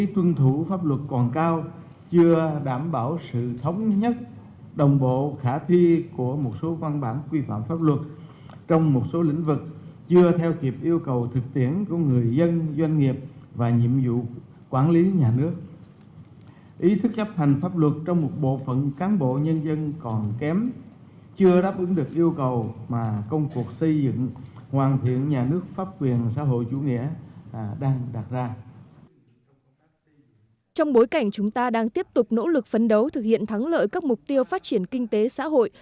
trong bối cảnh chúng ta đang tiếp tục nỗ lực phấn đấu thực hiện thắng lợi các mục tiêu phát triển kinh tế xã hội